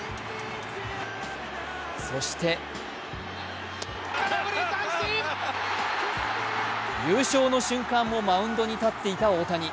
そして優勝の瞬間もマウンドに立っていた大谷。